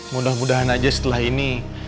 mudah mudahan aja setelah ini